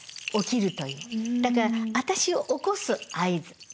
だから私を起こす合図。